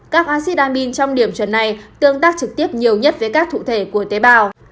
các acid amin trong điểm chuẩn này tương tác trực tiếp nhiều nhất với các cụ thể của tế bào